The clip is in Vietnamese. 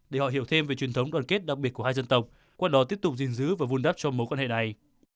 để họ hiểu thêm về truyền thống đoàn kết đặc biệt của hai dân tộc qua đó tiếp tục gìn giữ và vun đắp cho mối quan hệ này